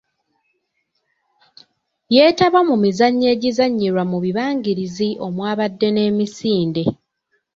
Yeetaba mu mizannyo egizannyirwa mu bibangirizi omwabadde n'emisinde.